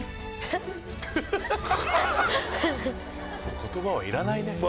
言葉はいらないね